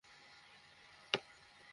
আর আমি যদি করতে না দেই, তাহলে?